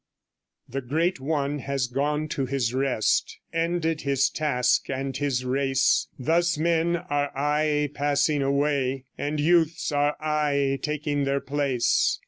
The great one has gone to his rest Ended his task and his race; Thus men are aye passing away, And youths are aye taking their place.